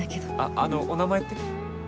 あのお名前って？